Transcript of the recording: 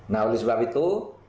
nah oleh sebab itu